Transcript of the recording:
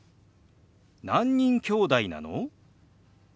「何人きょうだいなの？」。